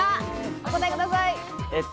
お答えください。